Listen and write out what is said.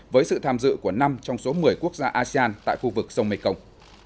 với sự tham dự của năm trong số một mươi quốc gia asean tại khu vực sông mekong